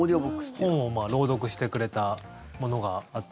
本を朗読してくれたものがあって。